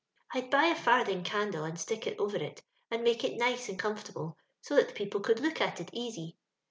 I'd buy a farthing candle and sUck it over it, and ! make it nice and comfortable, so that the people could look at it easy.